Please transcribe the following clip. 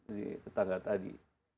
di tetangga tadi